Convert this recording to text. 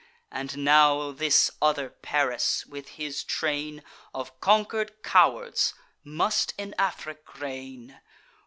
And now this other Paris, with his train Of conquer'd cowards, must in Afric reign!